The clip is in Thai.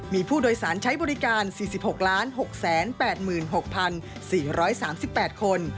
มีผู้โดยสารใช้บริการ๔๖๖๘๖๔๓๘คน